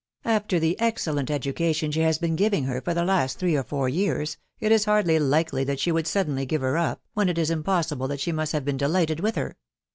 After the excellent education she has been giving her for the last three or four yean, it is hardly likely that she would suddenly give her up, when it. is impossible but she must have been de lighted with her.